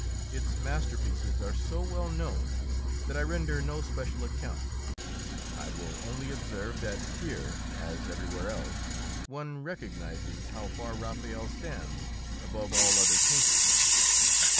Its masterpieces are so well known that I render no special account. I will only observe that here, as everywhere else, one recognises how far Raphael stands above all other painters.